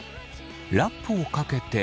ラップをかけて。